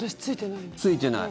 ついてない。